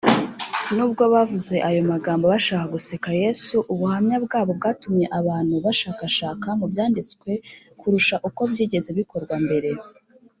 nubwo bavuze ayo magambo bashaka guseka yesu, ubuhamya bwabo bwatumye abantu bashakashaka mu byanditswe kurusha uko byigeze bikorwa mbere